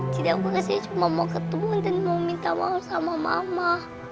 jadi aku ke sini cuma mau ketemu dan mau minta maaf sama mama